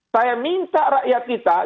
saya minta rakyat kita